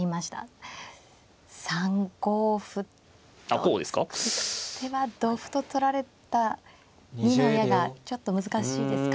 こうですか？と行く手は同歩と取られた二の矢がちょっと難しいですか。